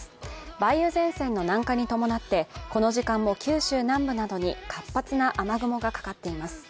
梅雨前線の南下に伴ってこの時間も九州南部などに活発な雨雲がかかっています。